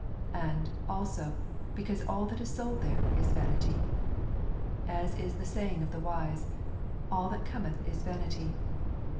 And, also, because all that is sold there is vanity. As is the saying of the wise, All that cometh is vanity.